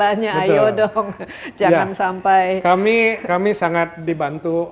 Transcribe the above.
dan juga berpeluang untuk mengesharingkan masyarakat